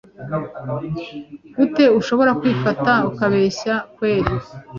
Gute ushobora kwifata ukambeshya kweli